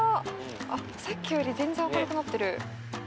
あっさっきより全然明るくなってる。